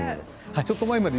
ちょっと前までよ